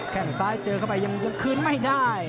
แค่งซ้ายเจอเข้าไปยังคืนไม่ได้